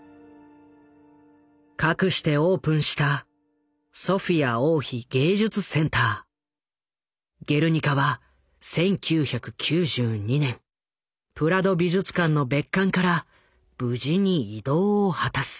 かくしてオープンした「ゲルニカ」は１９９２年プラド美術館の別館から無事に移動を果たす。